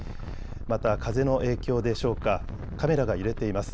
また風の影響でしょうか、カメラが揺れています。